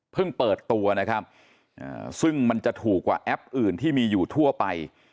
เปิดตัวนะครับซึ่งมันจะถูกกว่าแอปอื่นที่มีอยู่ทั่วไป